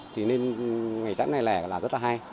thì nên ngày chắn ngày lẻ là rất là hay